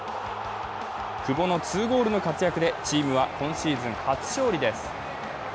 久保の２ゴールの活躍でチームは今シーズン初勝利です。